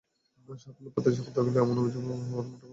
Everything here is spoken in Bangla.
সাফল্য প্রত্যাশী হতে গেলে অমন আবেগী হওয়াটা মোটেও বাড়াবাড়ি কিছু নয়।